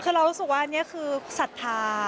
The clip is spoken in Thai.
คือเรารู้สึกว่าอันนี้คือศรัทธา